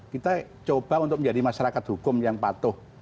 kita coba untuk menjadi masyarakat hukum yang patuh